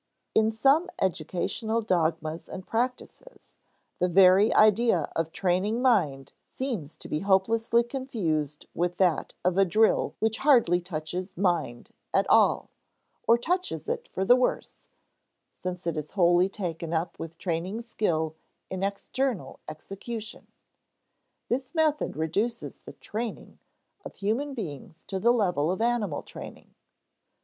In some educational dogmas and practices, the very idea of training mind seems to be hopelessly confused with that of a drill which hardly touches mind at all or touches it for the worse since it is wholly taken up with training skill in external execution. This method reduces the "training" of human beings to the level of animal training.